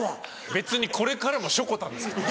別にこれからも「しょこたん」ですから。